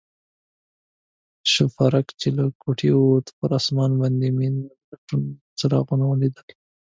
شوپرک چې له کوټې ووت، پر آسمان باندې مې د لټون څراغونه ولیدل.